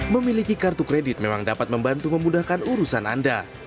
memiliki kartu kredit memang dapat membantu memudahkan urusan anda